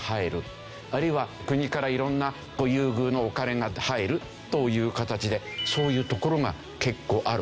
あるいは国から色んな優遇のお金が入るという形でそういうところが結構ある。